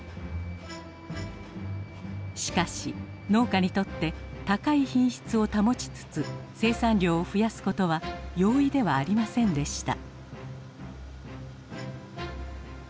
しかし農家にとって高い品質を保ちつつ生産量を増やすことは容易ではありませんでした。